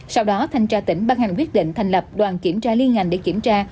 sau đó thanh tra tỉnh ban hành quyết định thành lập đoàn kiểm tra liên ngành để kiểm tra